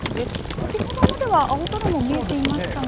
先ほどまでは青空も見えていましたが。